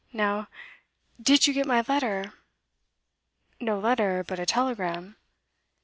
Now, did you get my letter?' 'No letter, but a telegram.